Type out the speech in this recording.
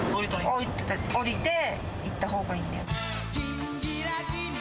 降りて行ったほうがいいんだよ。